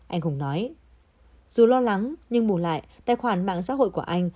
anh hùng nói dù lo lắng nhưng buồn lại tài khoản mạng giáo hội của anh